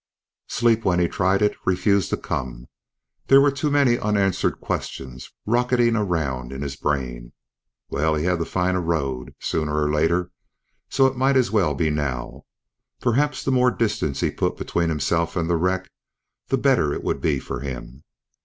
Sleep, when he tried it, refused to come. There were too many unanswered questions rocketing around in his brain. Well, he had to find a road, sooner or later, so it might as well be now. Perhaps the more distance he put between himself and the wreck, the better it would be for him.